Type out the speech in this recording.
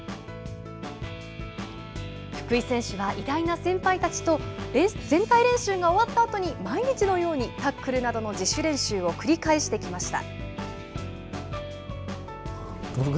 福井選手は偉大な先輩たちと、全体練習が終わったあとに、毎日のようにタックルなどの自主練習を繰り返してきました。